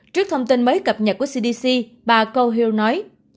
trước thông tin mới cập nhật của cdc bà conherl nói